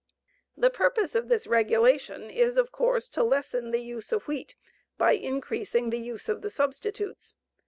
The purpose of this regulation is, of course, to lessen the use of wheat by increasing the use of the substitutes.